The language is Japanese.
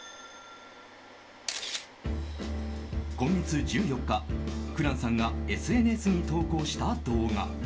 今月１４日、紅蘭さんがＳＮＳに投稿した動画。